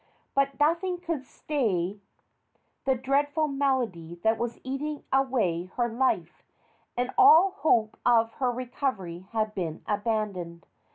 But nothing could stay the dreadful malady that was eating away her life, and all hope of her recovery had been abandoned.